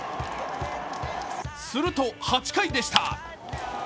すると８回でした。